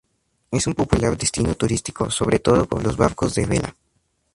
Es un popular destino turístico, sobre todo por los barcos de vela.